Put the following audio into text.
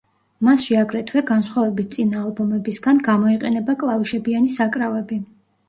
მასში აგრეთვე, განსხვავებით წინა ალბომებისგან, გამოიყენება კლავიშებიანი საკრავები.